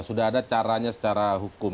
sudah ada caranya secara hukum